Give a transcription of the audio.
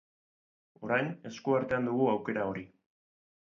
Orain, eskuartean dugu aukera hori.